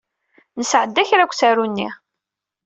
Nesɛedda kra deg usaru-nni.